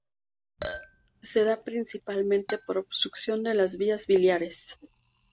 Se da principalmente por obstrucción de las vías biliares.